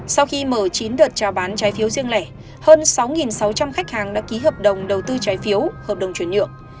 sau khi mở chín đợt trao bán trái phiếu riêng lẻ hơn sáu sáu trăm linh khách hàng đã ký hợp đồng đầu tư trái phiếu hợp đồng chuyển nhượng